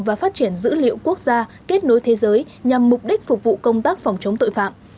và phát triển dữ liệu quốc gia kết nối thế giới nhằm mục đích phục vụ công tác phòng chống tội phạm